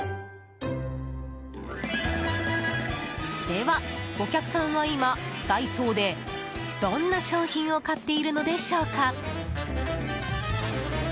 では、お客さんは今ダイソーでどんな商品を買っているのでしょうか？